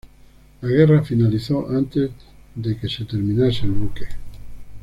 La guerra finalizó antes de que se terminase el buque.